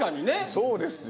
そうですよ。